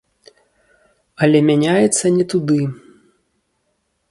Але мяняецца не туды.